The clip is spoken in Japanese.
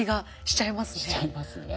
しちゃいますね。